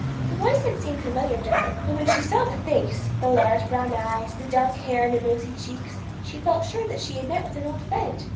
The voice had seemed familiar to her; but when she saw the face, the large brown eyes, the dark hair, and the rosy cheeks, she felt sure that she had met with an old friend.